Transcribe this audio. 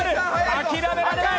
諦められない！